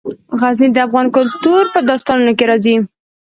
غزني د افغان کلتور په داستانونو کې راځي.